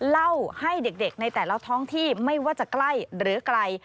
เล่าให้เด็กในแต่ละท้องที่ไม่ว่าจะใกล้หรือไกล